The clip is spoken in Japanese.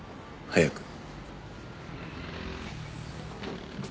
早く。